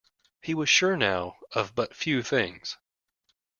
He was sure, now, of but few things.